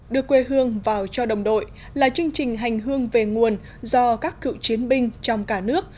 đưa quê hương vào cho đồng đội là chương trình hành hương về nguồn do các cựu chiến binh trong cả nước